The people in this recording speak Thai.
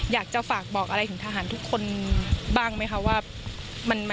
อยากจะฝากบอกอะไรถึงทหารทุกคนบ้างไหมคะว่า